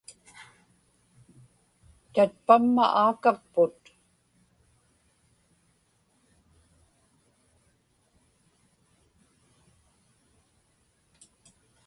tatpamma aakakput